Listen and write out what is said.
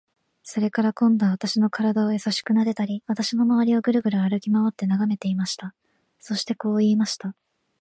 それから、今度は私の身体をやさしくなでたり、私のまわりをぐるぐる歩きまわって眺めていました。そしてこう言いました。